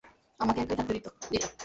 আমাকে একাই থাকতে দিতা!